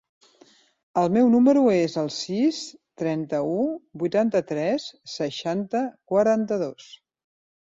El meu número es el sis, trenta-u, vuitanta-tres, seixanta, quaranta-dos.